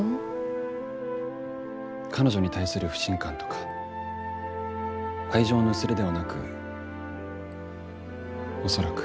彼女に対する不信感とか愛情の薄れではなく恐らく。